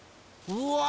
うわ。